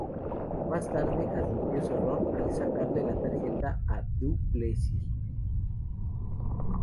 Más tarde admitió su error al sacarle la tarjeta a Du Plessis.